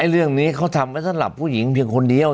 เรื่องนี้เขาทำไว้สำหรับผู้หญิงเพียงคนเดียว